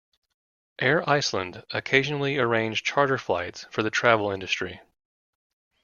Air Iceland occasionally arrange charter flights for the travel industry.